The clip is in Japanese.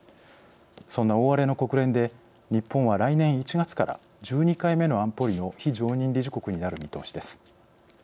そんな大荒れの国連で日本は来年１月から１２回目の安保理の非常任理事国になる見通しです。